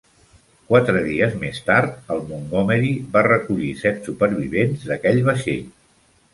Quatre dies més tard, el "Montgomery" va recollir set supervivents d'aquell vaixell.